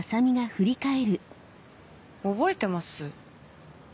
覚えてます？